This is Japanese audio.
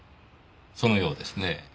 そのようですねえ。